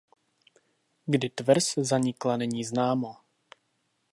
Kdy tvrz zanikla není známo.